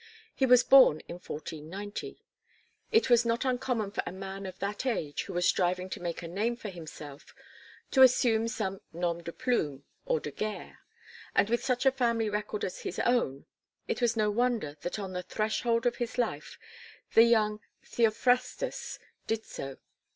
He was born in 1490. It was not uncommon for a man of that age who was striving to make a name for himself, to assume some nom de plume or de guerre; and with such a family record as his own, it was no wonder that on the threshold of his life the young Theophrastus did so.